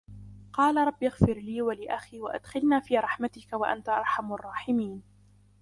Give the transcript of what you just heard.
قَالَ رَبِّ اغْفِرْ لِي وَلِأَخِي وَأَدْخِلْنَا فِي رَحْمَتِكَ وَأَنْتَ أَرْحَمُ الرَّاحِمِينَ